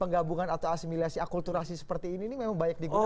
penggabungan atau asimilasi akulturasi seperti ini memang banyak digunakan